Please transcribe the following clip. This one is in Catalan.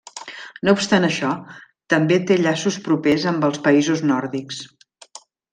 No obstant això, també té llaços propers amb els països nòrdics.